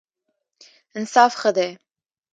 انصاف ښه دی.